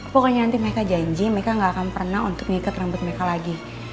pokoknya nanti mereka janji mereka gak akan pernah untuk ngikat rambut mereka lagi